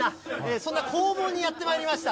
そんな工房にやってまいりました。